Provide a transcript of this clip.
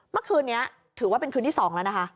เมื่อคืนนี้ถือว่าเป็นคืนที่๒แล้วนะคะ